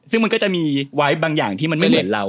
ซึ่งมันก็จะมีไว้บางอย่างที่มันไม่เหมือนเรา